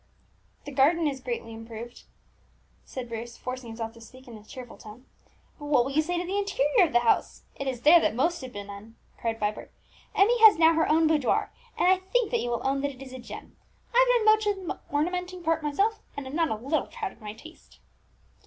"The garden is greatly improved," said Bruce, forcing himself to speak in a cheerful tone. "But what will you say to the interior of the house? it is there that most has been done," cried Vibert. "Emmie has now her own boudoir, and I think that you will own that it is a gem! I've done much of the ornamenting part myself, and am not a little proud of my taste."